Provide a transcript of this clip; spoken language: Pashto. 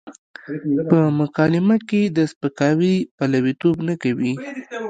په مکالمه کې د سپکاوي پلويتوب نه کوي.